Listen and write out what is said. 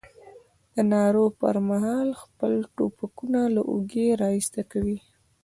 د نارو پر مهال خپل ټوپکونه له اوږې را ایسته کوي.